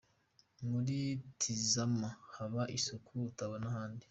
Muri Tizama haba isuku utabona ahandi.